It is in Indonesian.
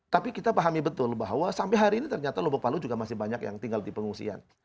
tapi kita pahami betul bahwa sampai hari ini ternyata lombok palu juga masih banyak yang tinggal di pengungsian